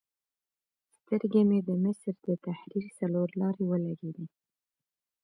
سترګې مې د مصر د تحریر څلور لارې ولګېدې.